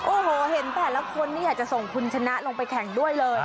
โอ้โหเห็นแต่ละคนนี่อยากจะส่งคุณชนะลงไปแข่งด้วยเลย